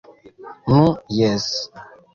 Nu, jes...